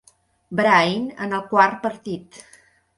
Brain, en el quart partit.